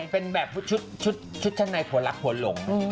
เป็นแบบชุดชั้นในผัวรักผัวหลง